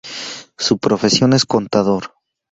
Su profesión es contador.